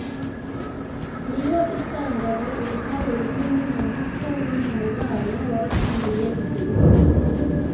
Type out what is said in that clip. niyo isanganywe uruhare runini mu muco no mu mubano w’abaturiye ibyo bihugu